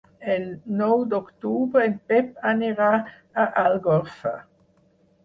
El nou d'octubre en Pep anirà a Algorfa.